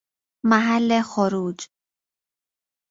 محل خروج